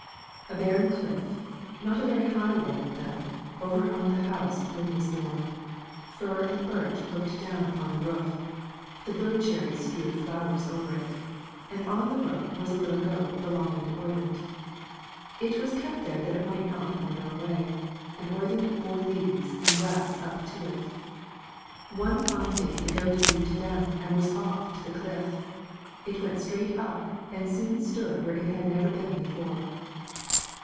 A barren cliff, not a very high one, though, overhung the house where he was born; fir and birch looked down upon the roof, the bird cherry strewed flowers over it. And on the roof was a little goat belonging to Oyvind; it was kept there that it might not wander away, and Oyvind bore leaves and grass up to it. One fine day the goat leaped down and was off to the cliff; it went straight up and soon stood where it had never been before.